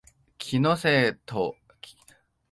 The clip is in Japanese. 気のせいかと思ったらほんとに量減ってるんだな